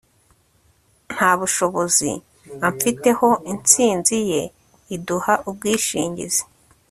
Nta bushobozi amfiteho Intsinzi ye iduha ubwishingizi